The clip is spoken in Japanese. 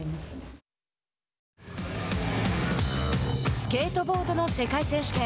スケートボードの世界選手権。